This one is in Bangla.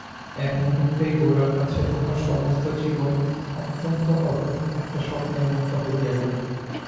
এক মুহূর্তেই গোরার কাছে তাহার সমস্ত জীবন অত্যন্ত অদ্ভুত একটা স্বপ্নের মতো হইয়া গেল।